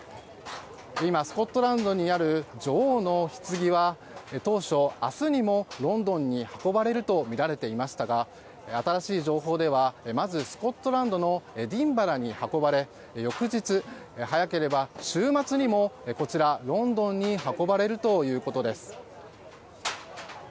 今、スコットランドにある女王のひつぎは当初、明日にもロンドンに運ばれるとみられていましたが新しい情報ではまずスコットランドのエディンバラに運ばれ翌日、早ければ週末にもロンドンに運ばれるということです。